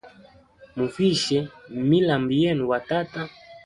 Muvishe milambu yenu wa tata.